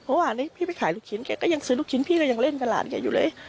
โอ้อันนี้พี่ไปขายลูกขิ้นและกันพี่ก็ยังเล่นกับหลานไกอยู่เลย